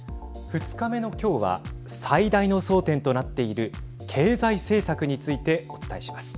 ２日目の今日は最大の争点となっている経済政策についてお伝えします。